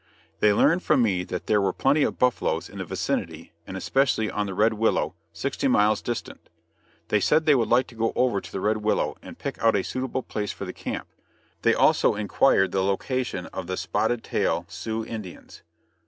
They learned from me that there were plenty of buffaloes in the vicinity and especially on the Red Willow, sixty miles distant. They said they would like to go over on the Red Willow and pick out a suitable place for the camp; they also inquired the location of the Spotted Tail, Sioux Indians.